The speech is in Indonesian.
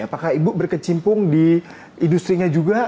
apakah ibu berkecimpung di industri nya juga